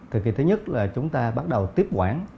thời kỳ thứ nhất là chúng ta bắt đầu tiếp quản